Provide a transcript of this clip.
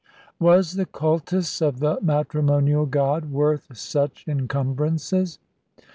Was the cultus of the matrimonial god worth such encumbrances?